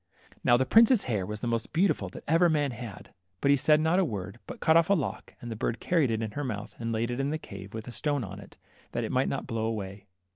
Now the prince's hair was the most beautiful that ever man had, but he said not a word, but cut off a lock, and the bird carried it in her mouth and laid it in the cave, with a stone on it, that it might not blow away.